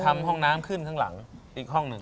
ทำห้องน้ำขึ้นข้างหลังอีกห้องหนึ่ง